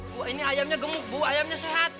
bu ini ayamnya gemuk bu ayamnya sehat